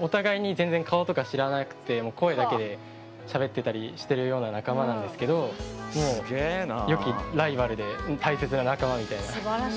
お互いに全然、顔とか知らなくて声だけでしゃべってたりしているような仲間なんですけどよきライバルで大切な仲間みたいな。